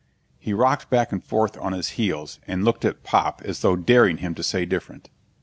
He rocked back and forth on his heels and looked at Pop as though daring him to say different.